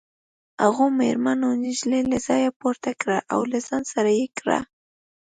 هغو مېرمنو نجلۍ له ځایه پورته کړه او له ځان سره یې کړه